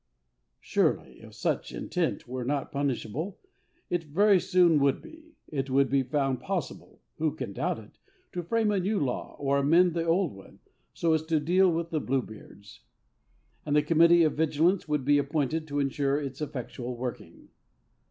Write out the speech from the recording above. Surely, if such intent were not punishable it very soon would be. It would be found possible who can doubt it? to frame a new law, or amend the old one, so as to deal with Bluebeards. And a Committee of Vigilance would be appointed to ensure its effectual working.